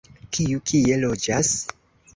Kiu kie loĝas?